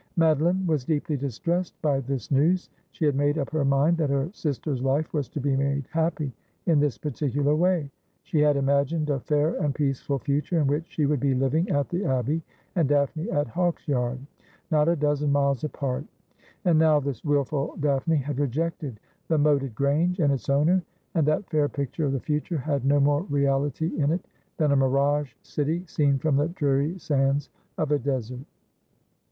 Madoline was deeply distressed by this news. She had made up her mind that her sister's life was to be made happy in this particular way. She had imagined a fair and peaceful future in which she would be living at the A bbey, and Daphne at Hawksyard — not a dozen miles apart. And now this wilfulDaphne had rejected the moated grange and its owner, and that fair picture of the future had no more reality in it than a mirage city seen from the dreary sands of a desert.